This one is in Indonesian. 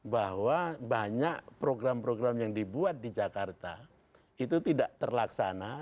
bahwa banyak program program yang dibuat di jakarta itu tidak terlaksana